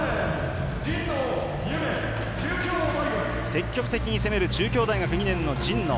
積極的に攻める中京大学２年の神野。